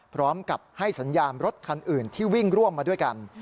พร้อมกับให้สัญญาณรถคันอื่นที่วิ่งร่วมมาด้วยกัน